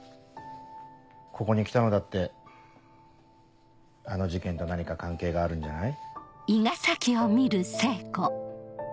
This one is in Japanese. ここに来たのだってあの事件と何か関係があるんじゃない？